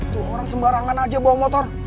tuh orang sembarangan aja bawa motor